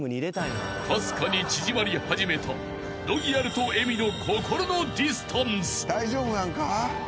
［かすかに縮まり始めたＲＯＹＡＬと恵美の心のディスタンス］